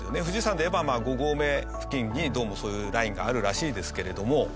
富士山でいえば５合目付近にどうもそういうラインがあるらしいですけれども。